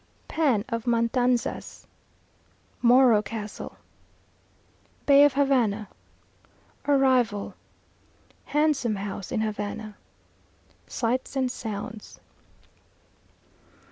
Pan of Matanzas Morro Castle Bay of Havana Arrival Handsome House in Havana Sights and Sounds.